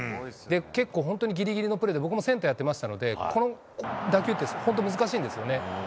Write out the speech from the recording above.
結構本当にぎりぎりのプレーで、僕もセンターやってましたので、この打球って、本当、難しいんですよね。